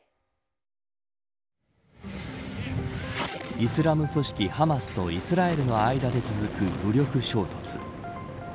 イスラム組織ハマスとイスラエルの間で続く武力衝突。